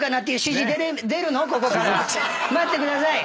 待ってください。